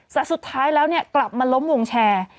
แต่สุดท้ายแล้วเนี่ยกลับมาล้มวงแชร์